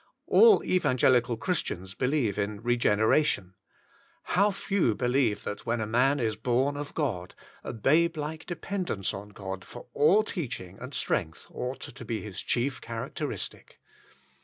All Evangelical Christians believe in regeneration. How few believe that when a man is born of God, A Babe like Dependence on God for All Teaching and Strength Ought to Be His Chief Characteristic.